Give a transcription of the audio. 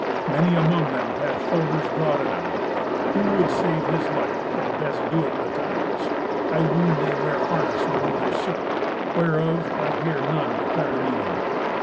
Many among them have shoulders broad enow. Who would save his life had best do it betimes. I ween they wear harness below their silk, whereof I hear none declare the meaning."